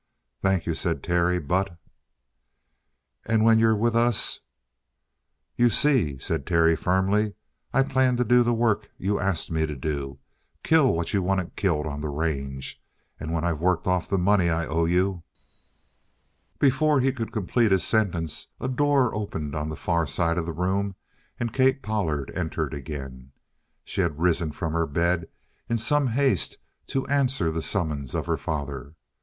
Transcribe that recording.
"Thank you," said Terry, "but " "And when you're with us " "You see," said Terry firmly, "I plan to do the work you asked me to do kill what you wanted killed on the range. And when I've worked off the money I owe you " Before he could complete his sentence, a door opened on the far side of the room, and Kate Pollard entered again. She had risen from her bed in some haste to answer the summons of her father.